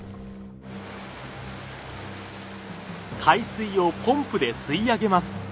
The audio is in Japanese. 海水をポンプで吸い上げます。